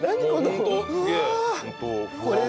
本当すげえ。